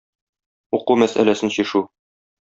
Уку мәсьәләсен чишү.